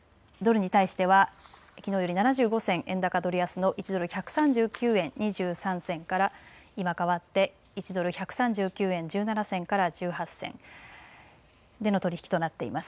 現在、ドルに対してはきのうより７５銭円高ドル安の１ドル１３９円２３銭から今変わって、１ドル１３９円１７銭から１８銭での取り引きとなっています。